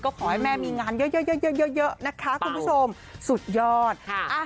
ก็ขอให้แม่มีงานเยอะนะคะคุณผู้ชมสุดยอด